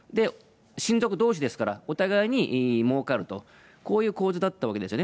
親族どうしですから、お互いにもうかると、こういう構図だったわけですよね。